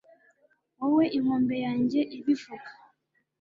Wowe inkombe yanjye ibivuga